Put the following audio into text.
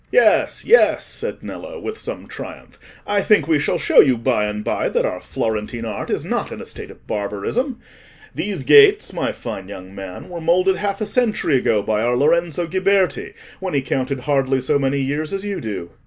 "Yes, yes," said Nello, with some triumph. "I think we shall show you by and by that our Florentine art is not in a state of barbarism. These gates, my fine young man, were moulded half a century ago, by our Lorenzo Ghiberti, when he counted hardly so many years as you do."